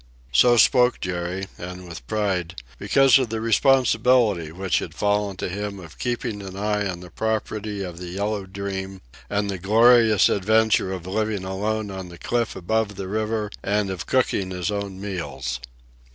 So spoke Jerry, and with pride, because of the responsibility which had fallen to him of keeping an eye on the property of the Yellow Dream, and the glorious adventure of living alone on the cliff above the river and of cooking his own meals.